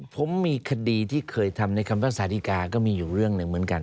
ผมมีคดีที่เคยทำในคำภาษาดีกาก็มีอยู่เรื่องหนึ่งเหมือนกัน